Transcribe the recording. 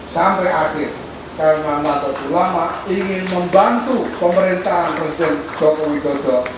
sampai akhir karena nato ulama ingin membantu pemerintahan presiden joko widodo